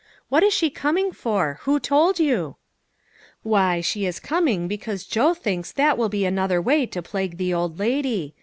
What is she coming for? Who told you?" " Why, she is coming because Joe thinks that will be another way to plague the old lady.